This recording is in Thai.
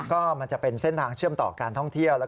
ก็มันจะเป็นเส้นทางเชื่อมต่อการท่องเที่ยว